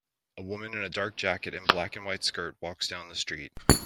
A woman in a dark jacket and black and white skirt walks down the street.